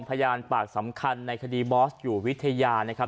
พยานปากสำคัญในคดีบอสอยู่วิทยานะครับ